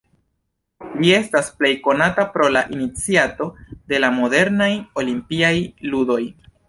Li estas plej konata pro la iniciato de la modernaj Olimpiaj ludoj.